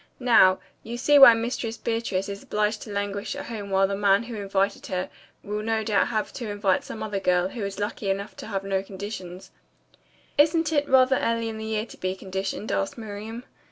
Now, you see why Mistress Beatrice is obliged to languish at home while the man who invited her will no doubt have to invite some other girl, who is lucky enough to have no conditions." "Isn't it rather early in the year to be conditioned?" asked Miriam.